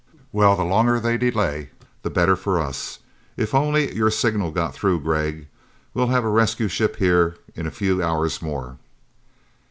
"Well, the longer they delay, the better for us. If only your signal got through, Gregg, we'll have a rescue ship here in a few hours more!"